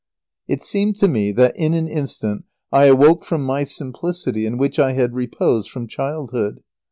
It seemed to me that, in an instant, I awoke from my simplicity in which I had reposed from childhood.